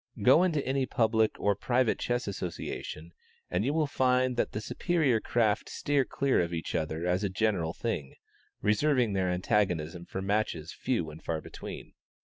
Go into any public or private chess association, and you will find that the superior craft steer clear of each other as a general thing; reserving their antagonism for matches few and far between.